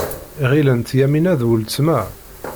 Ɣilent Yamina d weltma.